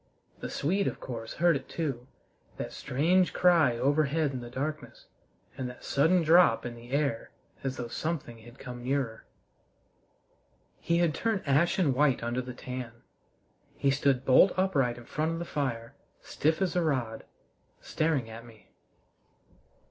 The Swede, of course, heard it too that strange cry overhead in the darkness and that sudden drop in the air as though something had come nearer. He had turned ashen white under the tan. He stood bolt upright in front of the fire, stiff as a rod, staring at me.